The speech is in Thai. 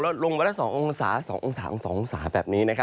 ลงวันละ๒องศา๒องศา๒องศาแบบนี้